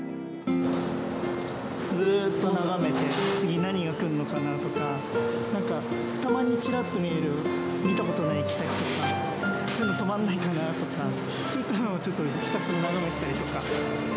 ずっと眺めて、次、何が来るのかなとか、なんか、たまにちらっと見える、見たことない行き先とか、そういうの止まんないかなとか、そういったのをひたすら眺めてたりとか。